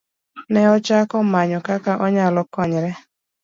Ne ochako manyo kaka onyalo konyore.